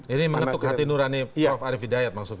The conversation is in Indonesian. ini menentuk hati nur rani prof arief hidayat maksudnya